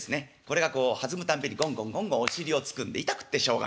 これがこう弾むたんびにゴンゴンゴンゴンお尻を突くんで痛くってしょうがない。